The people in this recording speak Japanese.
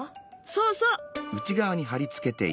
そうそう。